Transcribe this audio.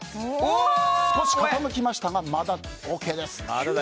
少し傾きましたがまだＯＫです。